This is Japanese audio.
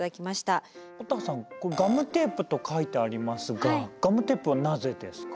乙葉さん「ガムテープ」と書いてありますがガムテープはなぜですか？